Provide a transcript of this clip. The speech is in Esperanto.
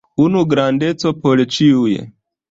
Unu grandeco por ĉiuj.